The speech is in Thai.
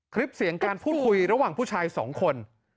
คลิปเสียงการพูดคุยระหว่างผู้ชายสองคน